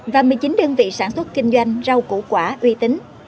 và một mươi chín đơn vị sản xuất kinh doanh rau củ quả uy tín